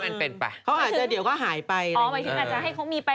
อ๋อหมายถึงอาจจะให้เขามีไป